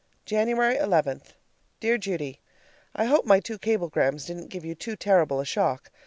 January 11. Dear Judy: I hope my two cablegrams didn't give you too terrible a shock.